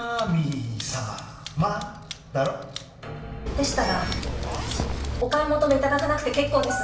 でしたらお買い求めいただかなくて結構です。